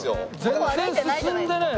全然進んでないな。